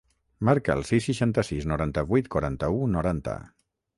Marca el sis, seixanta-sis, noranta-vuit, quaranta-u, noranta.